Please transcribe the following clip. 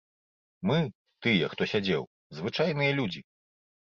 Мы, тыя, хто сядзеў, звычайныя людзі.